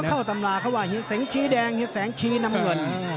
ก็เข้าตำราเขาว่าเห็นเสียงชีแดงเห็นเสียงชีน้ำเงิน